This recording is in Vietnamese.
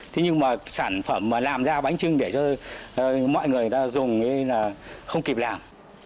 thế nhưng mà sản phẩm mà làm ra bánh trưng để cho mọi người ta dùng là không kịp làm